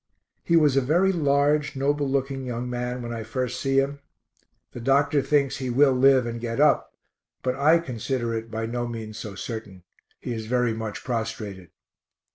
He was a very large, noble looking young man when I first see him. The doctor thinks he will live and get up, but I consider [it] by no means so certain. He is very much prostrated.